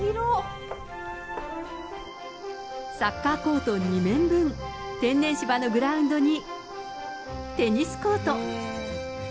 サッカーコート２面分、天然芝のグラウンドに、テニスコート。